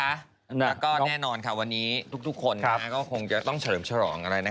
แล้วก็แน่นอนค่ะวันนี้ทุกคนก็คงจะต้องเฉลิมฉลองอะไร